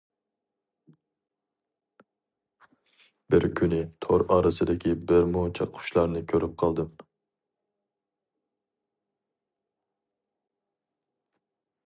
بىر كۈنى تور ئارىسىدىكى بىرمۇنچە قۇشلارنى كۆرۈپ قالدىم.